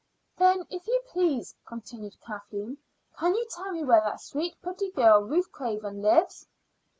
"Then, if you please," continued Kathleen, "can you tell me where that sweetly pretty girl, Ruth Craven, lives?"